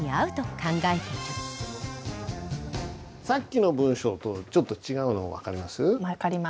さっきの文章とちょっと違うの分かります？